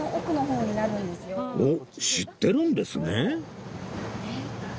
おっ知ってるんですね？